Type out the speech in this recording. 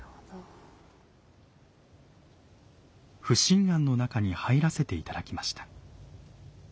不審菴の中に入らせて頂きました。